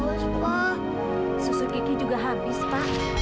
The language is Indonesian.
apa tidra juga haus pak